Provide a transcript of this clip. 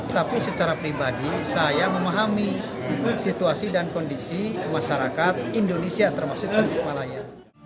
tapi secara pribadi saya memahami situasi dan kondisi masyarakat indonesia termasuk tasik malaya